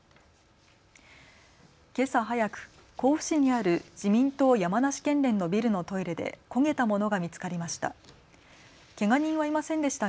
けさ早く、甲府市にある自民党山梨県連のビルのトイレで焦げたものが見つかりました。